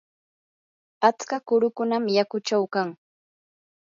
atska kurukunam yakuchaw kan.